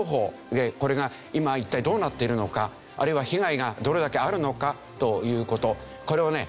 これが今一体どうなっているのかあるいは被害がどれだけあるのかという事これをね